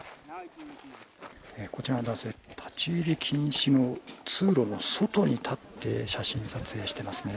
こちらの男性、立ち入り禁止の通路の外に立って写真撮影してますね。